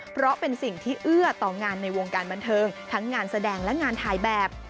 เพราะเป็นสิ่งที่เอื้อต่องานในวงการบันเทิงทั้งงานแสดงและงานถ่ายแบบ